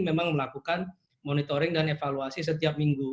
memang melakukan monitoring dan evaluasi setiap minggu